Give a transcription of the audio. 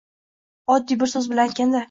Oddiy bir soʼz bilan aytganda